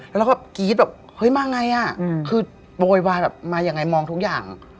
แล้วก็แบบกรี๊ดแบบเฮ้ยมาไงอ่ะคือโวยวายแบบมายังไงมองทุกอย่าง